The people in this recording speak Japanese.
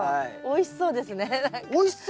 おいしそうですね何か。